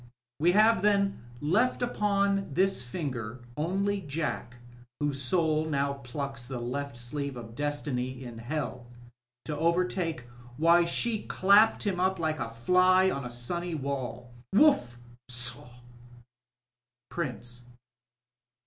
We have then left upon this finger, only Jack whose sotil now pluclcs the left sleeve of Destiny in Hell to overtake why she clapped him up like a fly on a stmny wall Whuff! Sohl Prxncb.